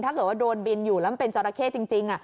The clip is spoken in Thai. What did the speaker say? ถ้าเกิดว่าโดนบินอยู่แล้วมันเป็นจราเข้จริง